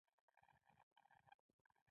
نه، هیڅ ستونزه نشته